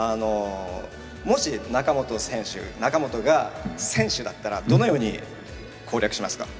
もし、中本が選手だったらどのように攻略しますか？